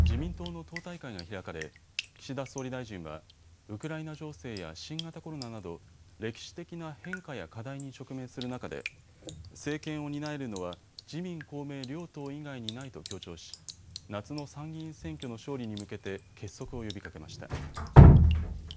自民党の党大会が開かれ岸田総理大臣はウクライナ情勢や新型コロナなど歴史的な変化や課題に直面する中で政権を担えるのは自民公明両党以外にないと強調し夏の参議院選挙の勝利に向けて結束を呼びかけました。